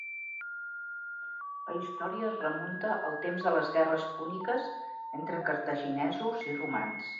La història es remunta al temps de les Guerres púniques entre cartaginesos i romans.